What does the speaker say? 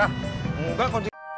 saat ginggedakinin ke tak kemana kmana